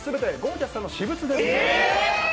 ジャスさんの私物です。